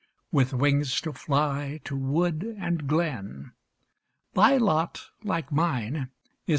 With wings to fly to wood and glen, Thy lot, like mine, is